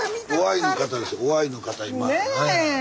今。